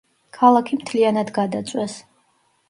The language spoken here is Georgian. ქალაქი მთლიანად გადაწვეს.